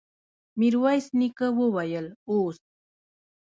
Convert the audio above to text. ميرويس نيکه وويل: اوس!